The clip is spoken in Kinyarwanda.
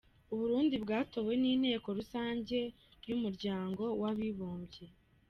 U Burundi bwatowe n’Inteko rusange y’Umuryango w’Abibumbye.